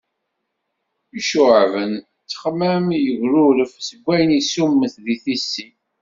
Iccuɛben ttexmam yeqruref seg wayen isummet d tissi.